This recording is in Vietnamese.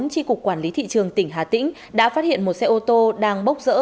tri cục quản lý thị trường tỉnh hà tĩnh đã phát hiện một xe ô tô đang bốc rỡ